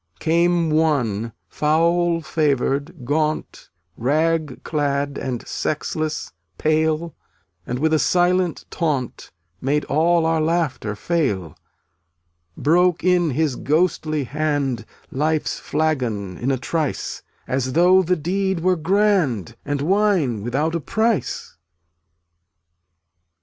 319 Came one, foul favored, gaunt, Rag clad and sexless, pale, And with a silent taunt Made all our laughter fail: Broke in his ghostly hand Life's flagon in a trice, As though the deed were grand And wine without a price.